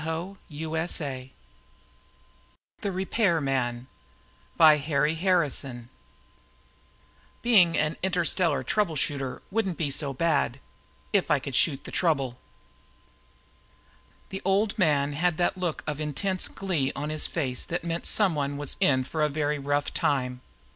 net The Repairman By HARRY HARRISON Illustrated by KRAMER Being an interstellar trouble shooter wouldn't be so bad ... if I could shoot the trouble! The Old Man had that look of intense glee on his face that meant someone was in for a very rough time.